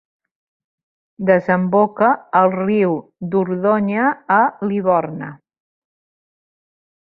Desemboca al riu Dordonya a Liborna.